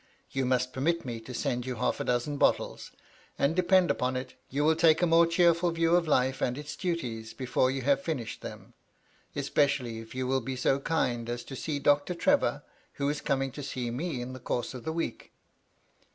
You must permit me to send you half a dozen bottles, and, depend upon it, you will take a more cheerful view of life and its duties before you have finished them, espe cially if you will be so kind as to see Doctor Trevor, who is coming to see me in the course of the week.